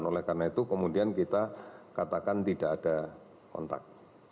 oleh karena itu kemudian kita katakan tidak ada kontak